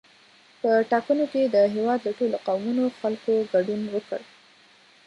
په ټاکنو کې د هېواد له ټولو قومونو خلکو ګډون وکړ.